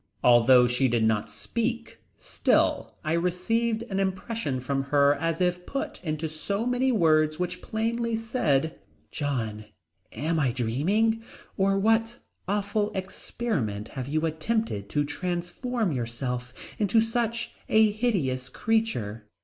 Although she did not speak still I received an impression from her as if put into so many words which plainly said: "John, am I dreaming or what awful experiment have you attempted to transform yourself into such a hideous creature?"